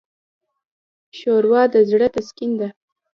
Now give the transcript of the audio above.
ښوروا د زړه تسکین ده.